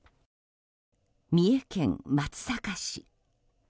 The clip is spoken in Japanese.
三重県松阪市。